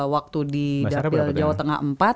waktu di dapil jawa tengah empat